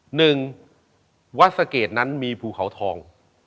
หนึ่งวัดสะเกดนั้นมีภูเขาทอง